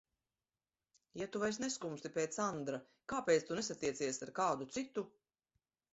Ja tu vairs neskumsti pēc Andra, kāpēc tu nesatiecies ar kādu citu?